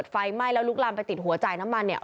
ไฟไหม้แล้วลุกลามไปติดหัวจ่ายน้ำมันเนี่ย